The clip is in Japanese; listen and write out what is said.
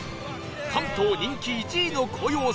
関東人気１位の紅葉スポット